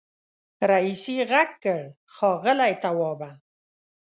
رئيسې غږ کړ ښاغلی توابه.